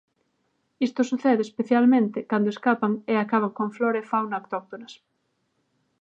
Isto sucede especialmente cando escapan e acaban con flora e fauna autóctonas.